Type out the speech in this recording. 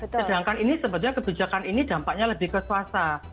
sedangkan ini sebetulnya kebijakan ini dampaknya lebih ke swasta